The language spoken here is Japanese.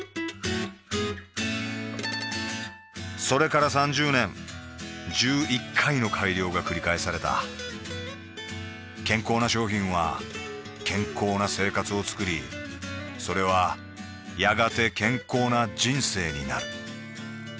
それから３０年１１回の改良がくり返された健康な商品は健康な生活をつくりそれはやがて健康な人生になる